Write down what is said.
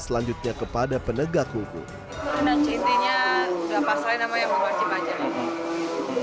selanjutnya kepada penegak hukum dengan cintinya sekarang pasalnya namanya penghubungan pelaku yang